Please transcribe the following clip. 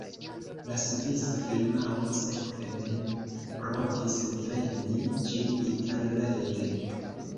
La svisa firmao sekve mem provis vendi ĝin interrete.